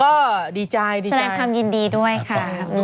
ก็ดีใจดีใจแสดงคำยินดีด้วยครับ